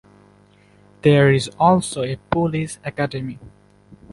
There is also a Police Academy.